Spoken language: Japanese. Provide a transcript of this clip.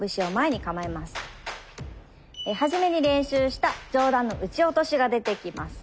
初めに練習した上段の打ち落としが出てきます。